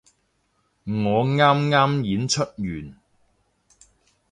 我啱啱演出完